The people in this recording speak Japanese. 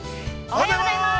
◆おはようございます。